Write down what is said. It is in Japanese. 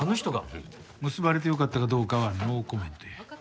うん。結ばれてよかったかどうかはノーコメントや。